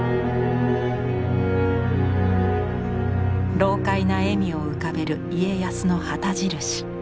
老獪な笑みを浮かべる家康の旗印。